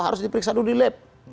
harus diperiksa dulu di lab